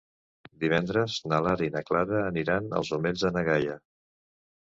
Divendres na Lara i na Clara aniran als Omells de na Gaia.